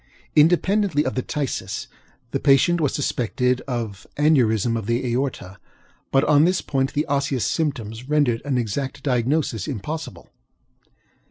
Independently of the phthisis, the patient was suspected of aneurism of the aorta; but on this point the osseous symptoms rendered an exact diagnosis impossible.